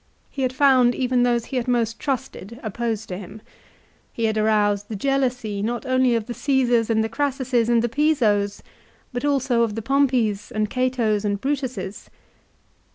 He had found even those he had most tiusted opposed to him. He had aroused the jealousy not only of the Caesars and the Crassuses and the Pisos, but also of the Pompeys and Catos and Brutuses.